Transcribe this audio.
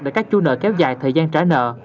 để các chu nợ kéo dài thời gian trả nợ